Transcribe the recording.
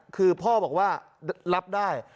คือพ่อบอกว่ารับได้